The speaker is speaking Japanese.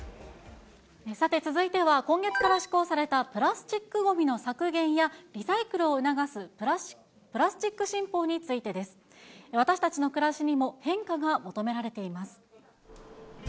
さて続いては、今月から施行された、プラスチックごみの削減や、リサイクルを促すプラスチック新法についてです。私たちの暮らしにも変化が求められています。